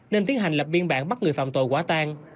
nên tiến hành lập biên bản bắt người phạm tội quả tang